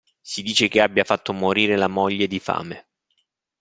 Si dice che abbia fatto morire la moglie di fame.